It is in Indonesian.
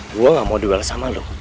gue gak mau duel sama lo